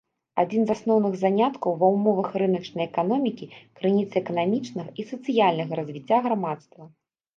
Адзін з асноўных заняткаў ва ўмовах рыначнай эканомікі, крыніца эканамічнага і сацыяльнага развіцця грамадства.